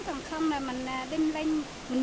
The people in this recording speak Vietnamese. xong rồi mình đem lên mình nướng